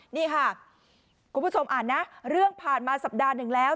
นี่ค่ะคุณผู้ชมอ่านนะเรื่องผ่านมาสัปดาห์หนึ่งแล้ว